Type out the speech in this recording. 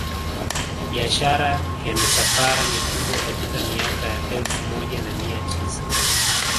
Biashara ya misafara mikubwa katika miaka ya elfu moja na mia tisa